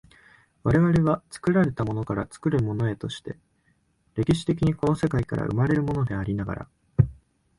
我々は作られたものから作るものへとして、歴史的にこの世界から生まれるものでありながら、